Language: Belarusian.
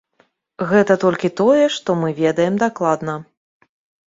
Гэта толькі тое, што мы ведаем дакладна.